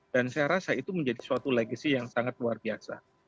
dan saya rasa itu menjadi suatu legacy yang sangat luar biasa